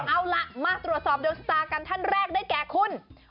เอาล่ะมาตรวจสอบดวงชะตากันท่านแรกได้แก่คุณ